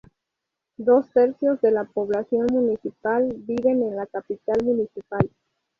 Dos tercios de la población municipal viven en la capital municipal.